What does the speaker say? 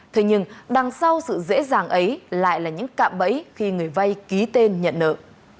thế nhưng đằng sau sự dễ dàng ấy lại là những cạm bẫy khi người vay ký tên nhận nợ